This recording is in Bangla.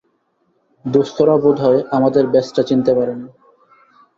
দোস্তরা বোধহয় আমাদের ব্যাজটা চিনতে পারেনি।